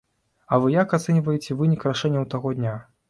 А вы як ацэньваеце вынік рашэнняў таго дня?